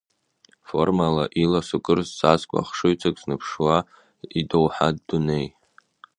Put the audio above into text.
Формала иласу, кырзҵазкуа ахшыҩҵак зныԥшуа идоуҳатә дунеи.